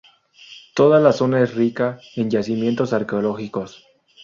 Toda la zona es rica en yacimientos arqueológicos.